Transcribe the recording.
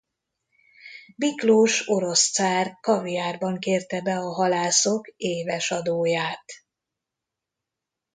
Miklós orosz cár kaviárban kérte be a halászok éves adóját.